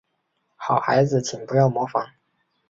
好孩子请不要模仿